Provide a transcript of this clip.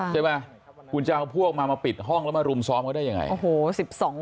ใช่ไหมคุณจะเอาพวกมามาปิดห้องแล้วมารุมซ้อมเขาได้ยังไงโอ้โห